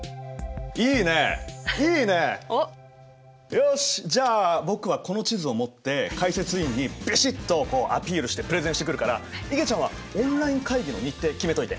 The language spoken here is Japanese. よしじゃあ僕はこの地図を持って解説委員にビシッとアピールしてプレゼンしてくるからいげちゃんはオンライン会議の日程決めといて。